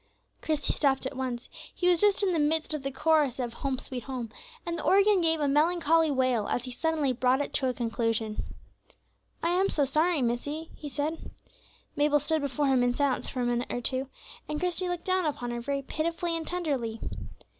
Christie stopped at once; he was just in the midst of the chorus of "Home, sweet Home," and the organ gave a melancholy wail as he suddenly brought it to a conclusion. "I am so sorry, missie," he said. Mabel stood before him in silence for a minute or two, and Christie looked down upon her very pitifully and tenderly.